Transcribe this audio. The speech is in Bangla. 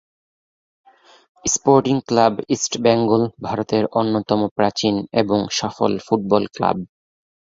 স্পোর্টিং ক্লাব ইস্টবেঙ্গল ভারতের অন্যতম প্রাচীন এবং সফল ফুটবল ক্লাব।